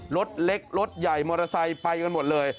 รถเล็กรถใหญ่มอเตอร์ไซค์ไปกันหมดเลย